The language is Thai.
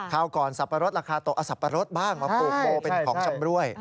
ก่อนสับปะรดราคาตกเอาสับปะรดบ้างมาปลูกโมเป็นของชำรวย